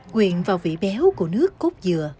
quyền vào vị béo của nước cốt dừa